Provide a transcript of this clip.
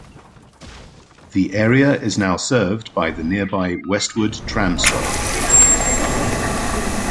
The area is now served by the nearby Westwood tram stop.